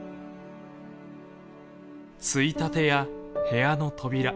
ついたてや部屋の扉